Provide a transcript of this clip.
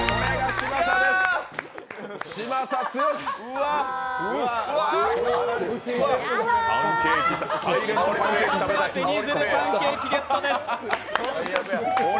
嶋佐さん、紅鶴パンケーキゲットです。